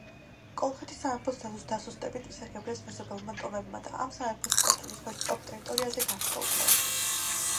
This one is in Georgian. კოლხეთის სამეფოს დასუსტებით ისარგებლეს მეზობელმა ტომებმა და ამ სამეფოს კონტროლის ქვეშ მყოფ ტერიტორიაზე გავრცელდნენ.